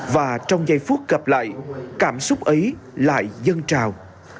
và trong giây phút gặp lại cảm xúc ấy lại dân trào